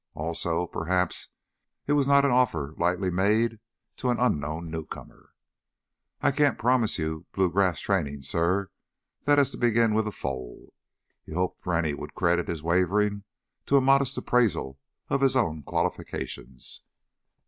Also, perhaps it was not an offer lightly made to an unknown newcomer. "I can't promise you blue grass training, suh. That has to begin with a foal." He hoped Rennie would credit his wavering to a modest appraisal of his own qualifications.